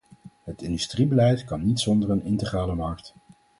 Het industriebeleid kan niet zonder een integrale markt.